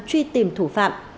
truy tìm thủ phạm